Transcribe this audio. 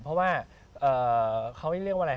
เพราะว่าเขาเรียกว่าอะไร